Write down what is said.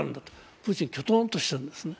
プーチン、きょとんとしているんですね。